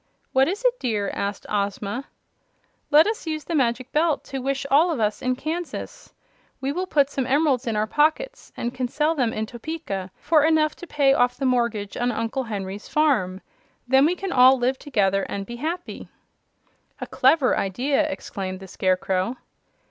"What is it, dear?" asked Ozma. "Let us use the Magic Belt to wish all of us in Kansas. We will put some emeralds in our pockets, and can sell them in Topeka for enough to pay off the mortgage on Uncle Henry's farm. Then we can all live together and be happy." "A clever idea!" exclaimed the Scarecrow.